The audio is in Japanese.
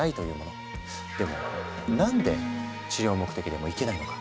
でも何で治療目的でもいけないのか？